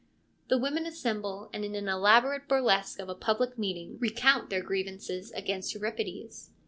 The women assemble, and in an elaborate burlesque of a public meeting recount their grievances against Euripides.